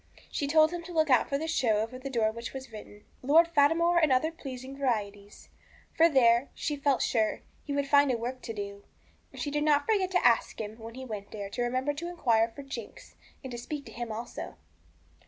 She told him to look out for the show over the door of which was written, 'Lord Fatimore and other Pleasing Varieties,' for there, she felt sure, he would find a work to do. And she did not forget to ask him, when he went there, to remember to inquire for Jinx, and to speak to him also.